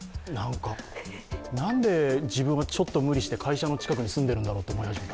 なんで自分がちょっと無理して会社のすぐ近くに住んでるんだろうと思い始めました。